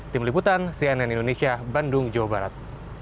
tim liputan cnn indonesia bandung jawa barat